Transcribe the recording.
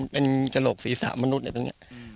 เป็นกระโหลกศีรษะมนุษย์ตรงนี้